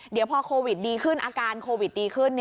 เดี๋ยวพอโควิดดีขึ้นอาการโควิดดีขึ้น